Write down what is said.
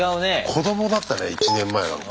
子どもだったね１年前なんか。